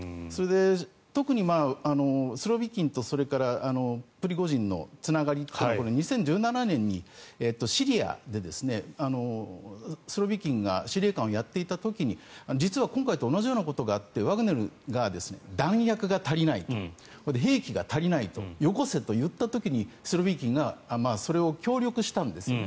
特にスロビキンとプリゴジンのつながりというのは２０１７年にシリアでスロビキンが司令官をやっていた時に実は今回と同じようなことがあってワグネルが弾薬が足りない兵器が足りない寄こせと言った時にスロビキンがそれを協力したんですね。